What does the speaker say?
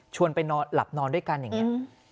ไปนอนหลับนอนด้วยกันอย่างนี้